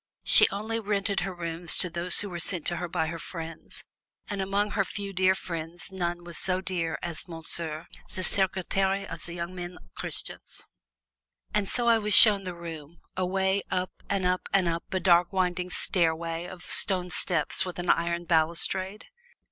She only rented her rooms to those who were sent to her by her friends, and among her few dear friends none was so dear as Monsieur ze Secretaire of ze Young Men Christians. And so I was shown the room away up and up and up a dark winding stairway of stone steps with an iron balustrade.